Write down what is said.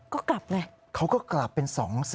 ก็กลับไงเขาก็กลับเป็น๒๓